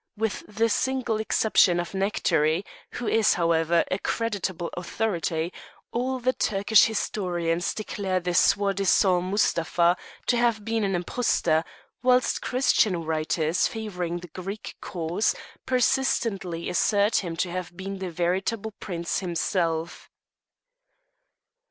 With the single exception of Nectori, who is, however, a creditable authority, all the Turkish historians declare this soi disant Mustapha to have been an impostor, whilst Christian writers, favouring the Greek cause, persistently assert him to have been the veritable prince himself.